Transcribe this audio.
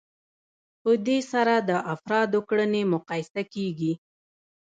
په دې سره د افرادو کړنې مقایسه کیږي.